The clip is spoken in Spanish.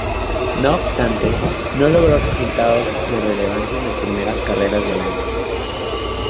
No obstante, no logró resultados de relevancia en las primeras carreras del año.